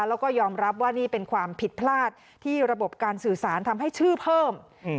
แล้วก็ยอมรับว่านี่เป็นความผิดพลาดที่ระบบการสื่อสารทำให้ชื่อเพิ่ม